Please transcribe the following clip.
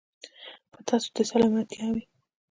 په تاسو دې سلامتيا وي.